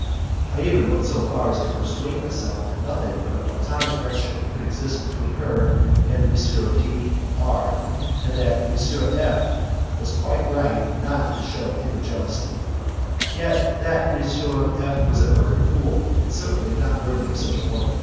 I even went so far as to persuade myself that nothing but a Platonic friendship could exist between her and M. D R , and that M. F was quite right now not to shew any jealousy. Yet, that M. F was a perfect fool, and certainly not worthy of such a woman.